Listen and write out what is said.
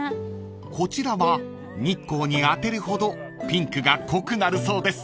［こちらは日光に当てるほどピンクが濃くなるそうです］